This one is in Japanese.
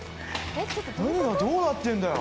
何がどうなってんだよ。